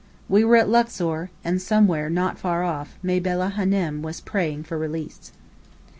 We were at Luxor; and somewhere not far off, Mabella Hânem was praying for release.